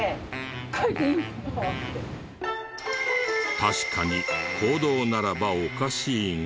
確かに公道ならばおかしいが。